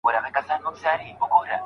خپلي موسیقۍ ته په غور غوږ سئ.